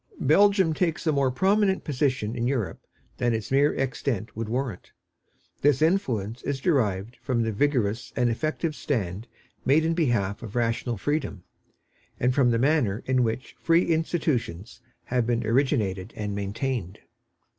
Belgium takes a more prominent position in Europe than its mere extent would warrant. This influence is derived from the vigorous and effective stand made in behalf of rational freedom, and from the manner in which free institutions have been originated and maintained.